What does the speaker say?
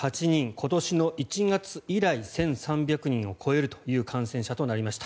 今年の１月以来１３００人を超えるという感染者となりました。